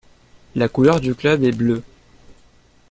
La couleur du club est bleue.